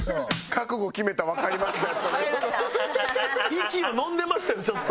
息をのんでましたねちょっと。